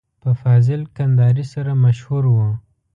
په فاضل کندهاري سره مشهور و.